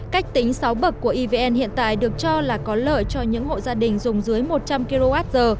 cách tính sáu bậc của evn hiện tại được cho là có lợi cho những hộ gia đình dùng dưới một trăm linh kwh